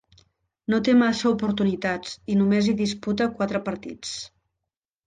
No té massa oportunitats i només hi disputa quatre partits.